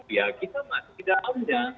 ya kita masih di dalamnya